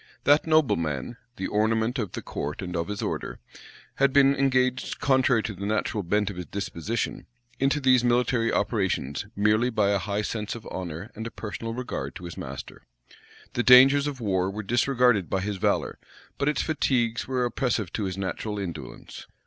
That nobleman the ornament of the court and of his order, had been engaged, contrary to the natural bent of his disposition, into these military operations merely by a high sense of honor and a personal regard to his master. The dangers of war were disregarded by his valor; but its fatigues were oppressive to his natural indolence.